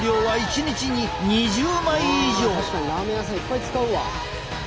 あ確かにラーメン屋さんいっぱい使うわ。